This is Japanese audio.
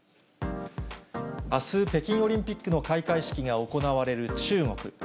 あす北京オリンピックの開会式が行われる中国。